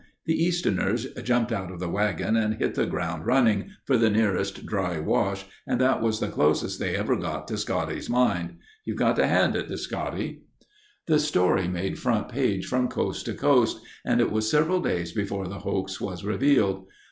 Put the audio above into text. The Easterners jumped out of the wagon and hit the ground running for the nearest dry wash and that was the closest they ever got to Scotty's mine. You've got to hand it to Scotty." The story made front page from coast to coast and it was several days before the hoax was revealed.